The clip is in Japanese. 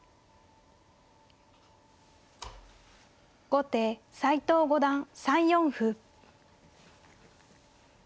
後手斎藤五段３四歩。